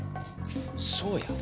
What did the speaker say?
そうや。